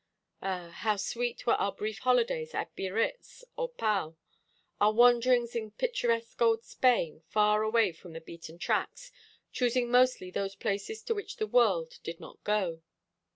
Ah, how sweet were our brief holidays at Biarritz or Pau, our wanderings in picturesque old Spain, far away from the beaten tracks, choosing mostly those places to which the world did not go!